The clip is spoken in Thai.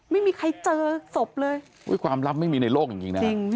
ไม่มีใครเจอศพเลยความลับไม่มีในโลกจริงนะ